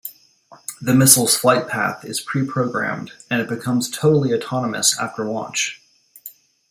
The missile's flight path is pre-programmed and it becomes totally autonomous after launch.